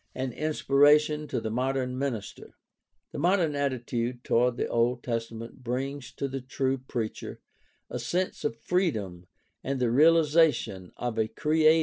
An inspiration to the modern minister. — The modern atti tude toward the Old Testament brings to the true preacher a sense of freedom and the realization of a creative opportunity.